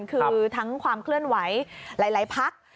คือทั้งความเคลื่อนไหวหลายพัก